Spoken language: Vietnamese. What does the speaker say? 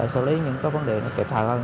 sử lý những vấn đề kịp thật hơn